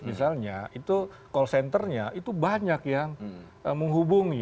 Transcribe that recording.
misalnya itu call centernya itu banyak yang menghubungi